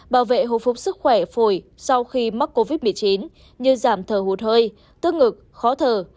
bảo vệ hồi phục sức khỏe phổi sau khi mắc covid một mươi chín như giảm thở hụt hơi tức ngực khó thở